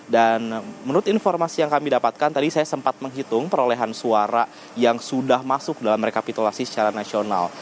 dan menurut informasi yang kami dapatkan tadi saya sempat menghitung perolehan suara yang sudah masuk dalam rekapitulasi secara nasional